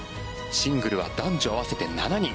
シングルは男女合わせて７人。